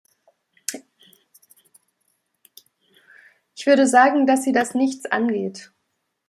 Ich würde sagen, dass sie das nichts angeht.